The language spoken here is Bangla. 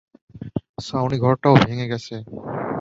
ছাউনিঘরটাও ভেঙে গেছে।